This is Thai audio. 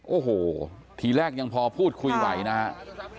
โอ้โหทีแรกยังพอพูดคุยไหวนะครับ